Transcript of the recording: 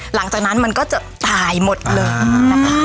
หลังจากนั้นมันก็จะตายหมดเลยนะคะ